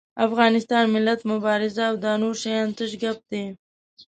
افغانستان، ملت، مبارزه او دا نور شيان تش ګپ دي.